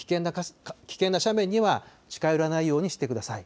危険な斜面には近寄らないようにしてください。